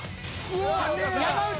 山内